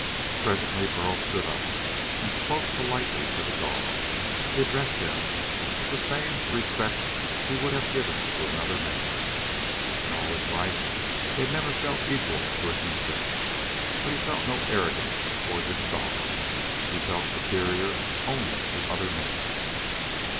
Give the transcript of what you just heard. Presently Burl stood up and spoke politely to the dog. He addressed him with the same respect he would have given to another man. In all his life he had never felt equal to an insect, but he felt no arrogance toward this dog. He felt superior only to other men.